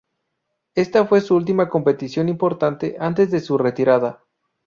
Esta fue su última competición importante antes de su retirada.